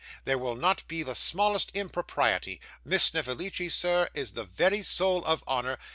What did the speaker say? There will not be the smallest impropriety Miss Snevellicci, sir, is the very soul of honour.